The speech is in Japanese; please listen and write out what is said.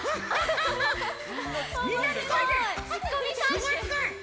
すごいすごい！